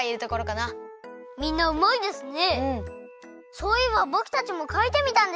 そういえばぼくたちもかいてみたんですよね！